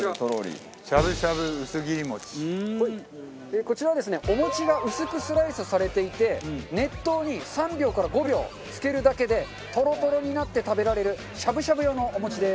こちらはですねお餅が薄くスライスされていて熱湯に３秒から５秒つけるだけでとろとろになって食べられるしゃぶしゃぶ用のお餅です。